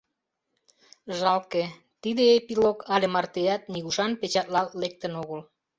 Жалке: тиде эпилог але мартеат нигушан печатлалт лектын огыл.